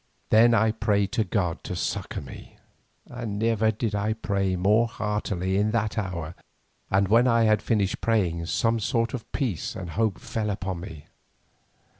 Then I prayed to God to succour me, and never did I pray more heartily than in that hour, and when I had finished praying some sort of peace and hope fell upon me.